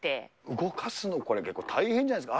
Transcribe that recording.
動かすの、これ結構大変じゃないですか？